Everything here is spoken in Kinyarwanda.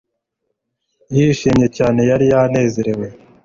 Yishimye cyane yari yanezerewe